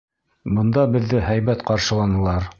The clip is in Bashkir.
Бында беҙҙе һәйбәт ҡаршыланылар.